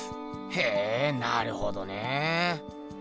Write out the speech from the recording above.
へぇなるほどねえ。